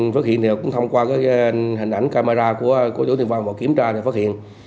phát hiện thì cũng thông qua hình ảnh camera của tổ tiên vàng và kiểm tra để phát hiện